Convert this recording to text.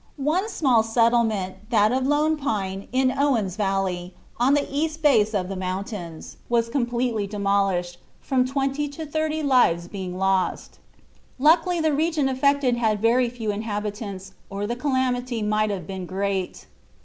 One small settlement, that of Lone Pine, in Owen's Valley, on the east base of the mountains, was completely demolished, from twenty to thirty lives being lost. Luckily, the region affected had very few inhabitants, or the calamity might have been great.